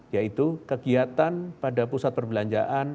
yaitu kegiatan pada pusat perbelanjaan